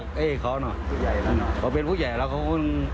เขาก็เป็นผู้ใหญ่ว่าคง